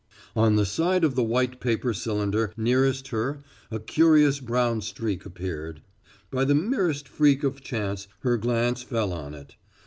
On the side of the white paper cylinder nearest her a curious brown streak appeared by the merest freak of chance her glance fell on it.